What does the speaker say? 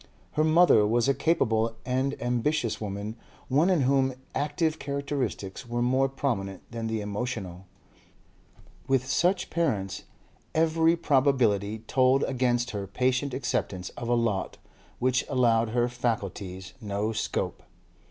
Her mother was a capable and ambitious woman, one in whom active characteristics were more prominent than the emotional. With such parents, every probability told against her patient acceptance of a lot which allowed her faculties no scope.